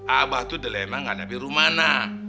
abah tuh dilema nganapin rumana